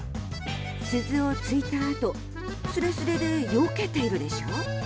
鈴を突いたあとすれすれでよけているでしょ。